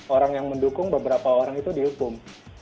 orang yang mendukung beberapa orang itu dihukum